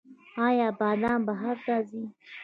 آیا بادام بهر ته ځي؟